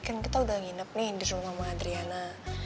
kan kita udah nginep nih di rumah sama adriana